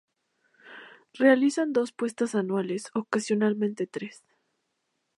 Realizan dos puestas anuales, ocasionalmente tres.